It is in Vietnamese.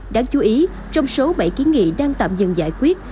đáng chú ý trong số bảy kiến nghị đang tạm dừng giải quyết